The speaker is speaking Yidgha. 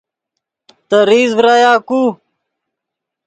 تے ریز ڤرایا کو